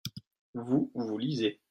vous, vous lisez.